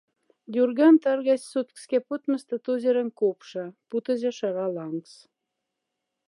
Дюрган таргась соткскя потмоста тозеронь копша, путозе шра лангс.